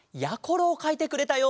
やころをかいてくれたよ。